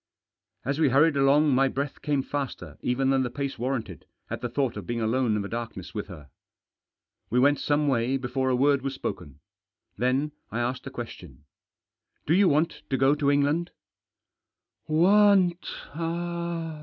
As we hurried along my breath came faster even than the pace warranted at the thought of being alone in the darkness with her. We went some way before a word was spoken. Then I asked a question. " Do you want to go to England ?"" Want